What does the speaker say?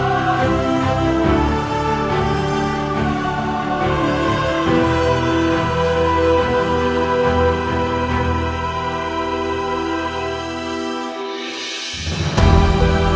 kami akan selalu memperbaiki kemampuan ndak tersebut